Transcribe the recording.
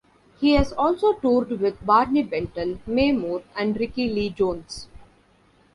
He has also toured with Barney Bentall, Mae Moore and Rickie Lee Jones.